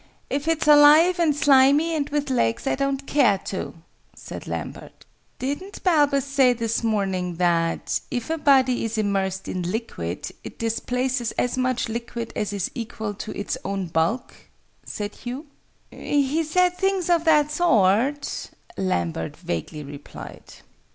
"If it's alive, and slimy, and with legs, I don't care to," said Lambert. "Didn't Balbus say this morning that, if a body is immersed in liquid, it displaces as much liquid as is equal to its own bulk?" said Hugh. "He said things of that sort," Lambert vaguely replied.